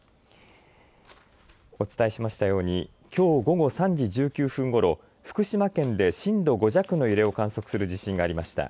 お伝えしましたようにきょう午後３時１９分ごろ、福島県で震度５弱の揺れを観測する地震がありました。